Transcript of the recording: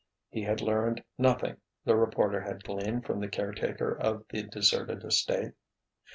He had learned nothing, the reporter had gleaned from the caretaker of the deserted estate.